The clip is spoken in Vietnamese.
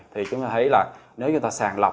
thì chúng ta thấy là nếu chúng ta sàng lọc